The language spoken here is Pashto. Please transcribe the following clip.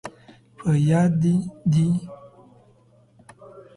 په یاد، دې دي؟